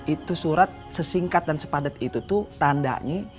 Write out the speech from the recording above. itu surat sesingkat dan sepadat itu tuh tandanya